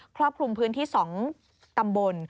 ครอบคลุมพื้นที่๒ตำบล